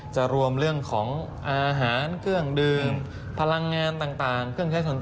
จะรวมเรื่องของ๒๕๕๐๐๐บาท